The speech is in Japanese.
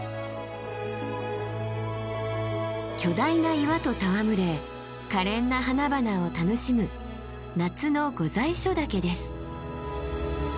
巨大な岩と戯れかれんな花々を楽しむ夏の御在所岳です。